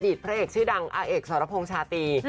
พระเอกชื่อดังอาเอกสรพงษ์ชาตรี